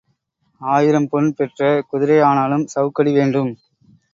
ஆயிரம் பொன் பெற்ற குதிரையானாலும் சவுக்கடி வேண்டும்.